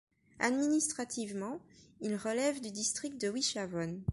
Administrativement, il relève du district de Wychavon.